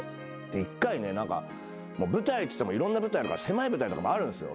一回ね何か舞台っつってもいろんな舞台あるから狭い舞台とかもあるんすよ。